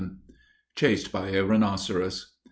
CHASED BY A RHINOCEROS.